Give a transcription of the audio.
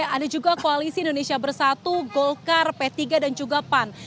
ada juga koalisi indonesia bersatu golkar p tiga dan juga pan